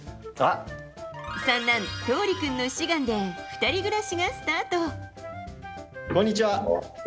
三男・橙利君の志願で２人暮らしがスタート。